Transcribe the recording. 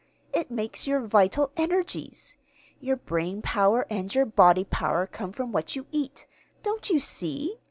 It makes your vital energies. Your brain power and your body power come from what you eat. Don't you see?